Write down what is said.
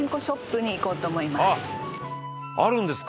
「あっあるんですか」